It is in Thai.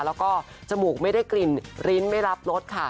แล้วก็จมูกไม่ได้กลิ่นลิ้นไม่รับรสค่ะ